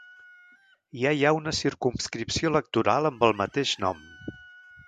Ja hi ha una circumscripció electoral amb el mateix nom.